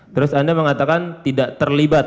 terus anda mengatakan tidak terlibat